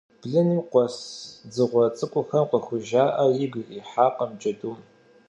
Блыным къуэс дзыгъуэ цӏыкӏухэм къыхужаӏэр игу ирихьакъым джэдум.